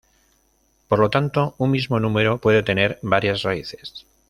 Por lo tanto, un mismo número puede tener varias raíces.